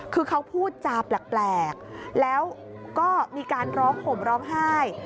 คือเขาพูดจาแปลกแล้วก็มีการร้องห่มร้องไห้